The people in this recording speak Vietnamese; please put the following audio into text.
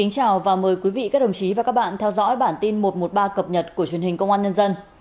chào mừng quý vị đến với bản tin một trăm một mươi ba cập nhật của truyền hình công an nhân dân